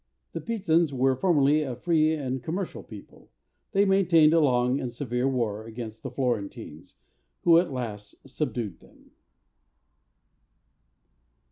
The Pisans were formerly a free and commercial people : they maintained a long and severe war against the Florentines, who at last subdued them.